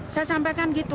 saya sampaikan gitu